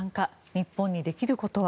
日本にできることは？